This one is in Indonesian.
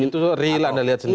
itu real anda lihat sendiri